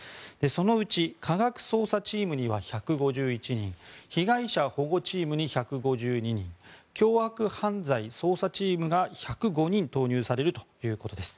そのうち科学捜査チームには１５１人被疑者保護チームに１５２人凶悪犯罪捜査チームが１０５人投入されるということです。